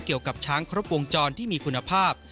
เกี่ยวกับช้างครบวงจรที่มีคุณภาพ